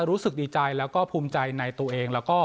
รู้สึกดีใจและภูมิใจในตัวเอง